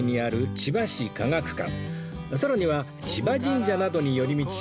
さらには千葉神社などに寄り道し